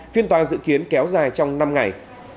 phiên toàn dự kiến kéo dài trong năm ngày